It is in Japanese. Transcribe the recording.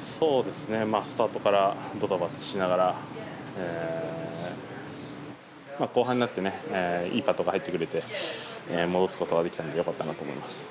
スタートからドタバタしながら後半になっていいパットが入ってくれて戻すことができたのでよかったなと思います。